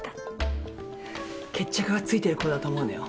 決着がついてるころだと思うのよ